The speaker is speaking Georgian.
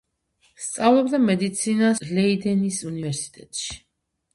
სწავლობდა მედიცინას ლეიდენის უნივერსიტეტში.